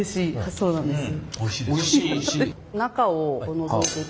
そうなんですか。